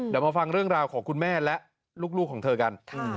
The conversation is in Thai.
เดี๋ยวมาฟังเรื่องราวของคุณแม่และลูกของเธอกัน